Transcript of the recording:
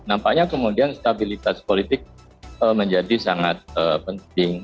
nampaknya kemudian stabilitas politik menjadi sangat penting